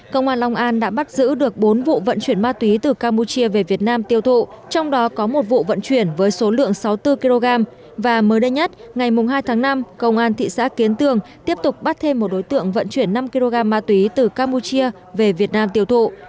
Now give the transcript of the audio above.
công an long an đã bắt giữ được bốn vụ vận chuyển ma túy từ campuchia về việt nam tiêu thụ trong đó có một vụ vận chuyển với số lượng sáu mươi bốn kg và mới đây nhất ngày hai tháng năm công an thị xã kiến tường tiếp tục bắt thêm một đối tượng vận chuyển năm kg ma túy từ campuchia về việt nam tiêu thụ